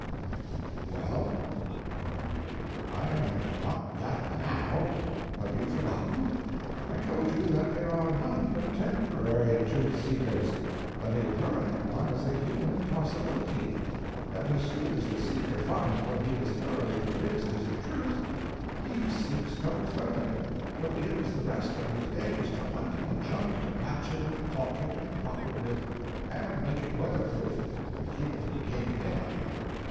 Y.M. Well? O.M. I am not that now. Have your forgotten? I told you that there are none but temporary Truth Seekers; that a permanent one is a human impossibility; that as soon as the Seeker finds what he is thoroughly convinced is the Truth, he seeks no further, but gives the rest of his days to hunting junk to patch it and caulk it and prop it with, and make it weather proof and keep it from caving in on him.